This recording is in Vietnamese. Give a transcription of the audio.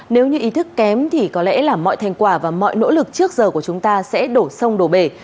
nếu như ý thức kém thì có lẽ là mọi thành quả và mọi nỗ lực trước giờ của chúng ta sẽ đổ sông đổ bể